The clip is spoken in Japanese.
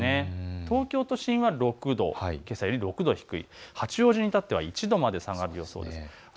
東京都心は６度、けさより６度低い、八王子に至っては１度まで下がりそうです。